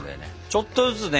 ちょっとずつね